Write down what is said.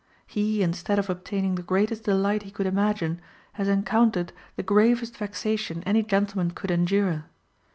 He, instead of obtaining the greatest delight he could imagine, has encountered the gravest vexation any gentleman could endure.